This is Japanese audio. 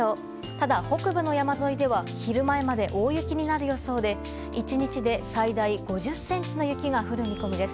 ただ、北部の山沿いでは昼前まで大雪になる予想で１日で最大５０ｃｍの雪が降る見込みです。